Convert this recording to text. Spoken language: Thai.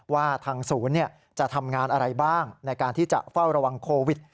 ว่าทางศูนย์จะทำงานอะไรบ้างในการที่จะเฝ้าระวังโควิด